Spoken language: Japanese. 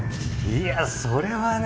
いやそれはね